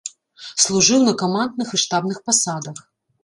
Служыў на камандных і штабных пасадах.